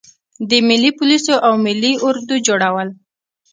د ملي پولیسو او ملي اردو جوړول.